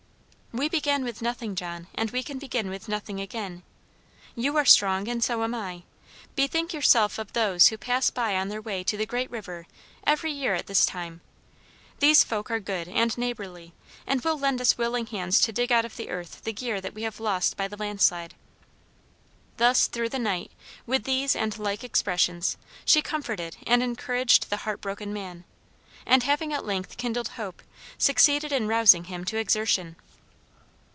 "We began with nothing, John, and we can begin with nothing again. You are strong, and so am I. Bethink yourself of those who pass by on their way to the great river every year at this time. These folk are good and neighborly, and will lend us willing hands to dig out of the earth the gear that we have lost by the landslip." Thus through the night, with these and like expressions, she comforted and encouraged the heart broken man, and having at length kindled hope, succeeded in rousing him to exertion.